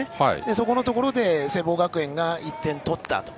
そこのところで聖望学園が１点取ったと。